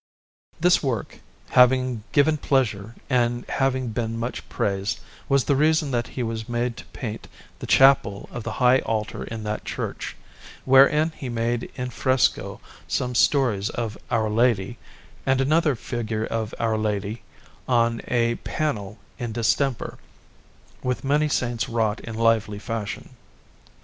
This work, having given pleasure and having been much praised, was the reason that he was made to paint the chapel of the high altar in that church, wherein he made in fresco some stories of Our Lady, and another figure of Our Lady on a panel in distemper, with many Saints wrought in lively fashion.